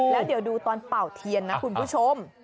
แล้วเดี๋ยวดูตอนเป่าเทียนนะคุณผู้ชม